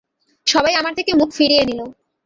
সবাই আমার থেকে মুখ ফিরিয়ে নিল।